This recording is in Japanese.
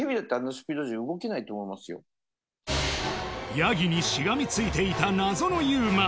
ヤギにしがみついていた謎のＵＭＡ